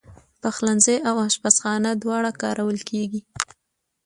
پخلنځی او آشپزخانه دواړه کارول کېږي.